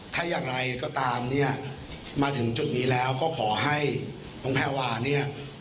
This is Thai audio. ถ้าอย่างไรก็ตามเนี่ยมาถึงจุดนี้แล้วก็ขอให้น้องแพรวาเนี่ย